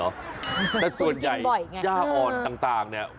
กินกินบ่อยแต่ส่วนใหญ่ย่าอ่อนต่างเนี่ย